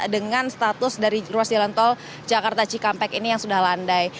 dengan status dari ruas jalan tol jakarta cikampek ini yang sudah landai